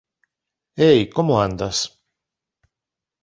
Ei, como andas?